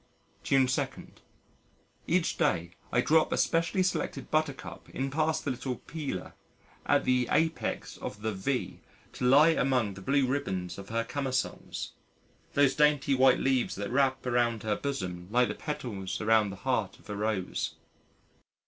June 2. Each day I drop a specially selected Buttercup in past the little "Peeler," at the apex of the "V" to lie among the blue ribbons of her camisoles those dainty white leaves that wrap around her bosom like the petals around the heart of a Rose.